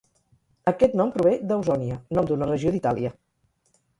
Aquest nom prové d'Ausònia, nom d'una regió d'Itàlia.